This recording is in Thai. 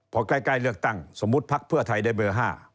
พอใกล้เลือกตั้งสมมุติภักดิ์เพื่อไทยได้เบอร์๕